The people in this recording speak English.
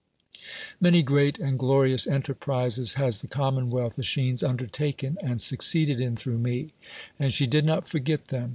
Many great and glorious enterprises has Ww coimnonwealth, ,Escliines, under! alccii and suc ceeded in through me; and sb" did not forget them.